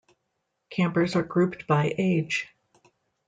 Campers are grouped by age.